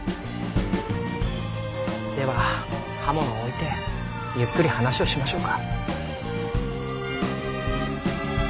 では刃物を置いてゆっくり話をしましょうか。